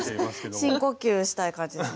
深呼吸したい感じです。